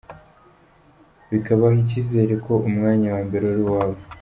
Bikabaha icyizere ko umwanya wa mbere ari uwabo.